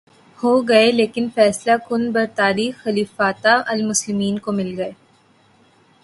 ہوگئے لیکن فیصلہ کن برتری خلیفتہ المسلمین کو مل گئ